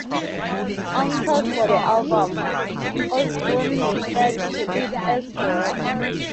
On tours for the album, Osbourne referred to it as "Forever".